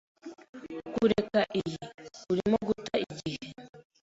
Kureka iyi. Urimo guta igihe.